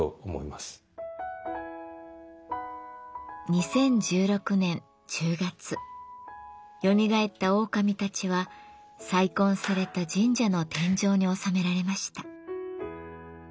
２０１６年１０月よみがえったオオカミたちは再建された神社の天井におさめられました。